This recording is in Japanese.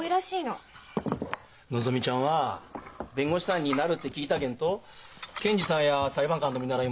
のぞみちゃんは弁護士さんになるって聞いたげんと検事さんや裁判官の見習いもすんのかい？